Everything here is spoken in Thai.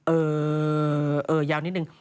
เออยาวนิดนึง